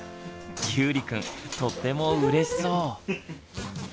ゆうりくんとってもうれしそう！